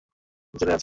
যেই ছেলেটা জেলে আছে।